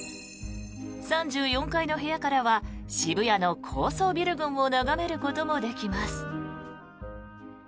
３４階の部屋からは渋谷の高層ビル群を眺めることもできます。